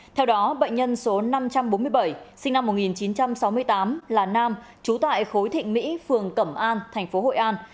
theo đó bệnh nhân số năm trăm bốn mươi bảy sinh năm một nghìn chín trăm sáu mươi tám là nam trú tại khối thịnh mỹ phường cẩm an thành phố hội an